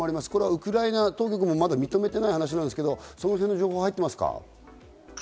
ウクライナ当局も認めていない話ですが、その辺の情報は入っていますか？